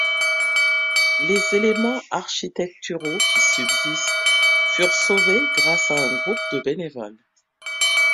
Les éléments architecturaux qui subsistent furent sauvés grâce à un groupe de bénévoles.